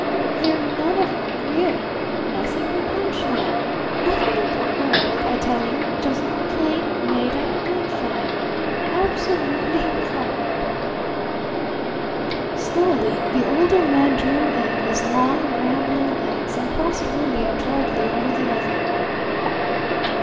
They're none of 'em real! Nothing but moonshine! Nothing in the world, I tell you, but just plain made up moonshine! Absolutely improbable!" Slowly the Older Man drew in his long, rambling legs and crossed one knee adroitly over the other.